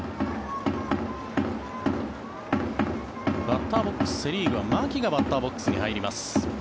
バッターボックスセ・リーグは牧がバッターボックスに入ります。